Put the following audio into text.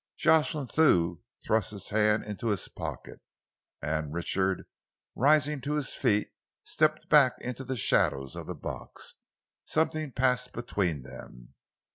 Jocelyn Thew thrust his hand into his pocket, and Richard, rising to his feet, stepped back into the shadows of the box. Something passed between them.